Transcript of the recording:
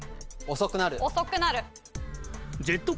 遅くなる。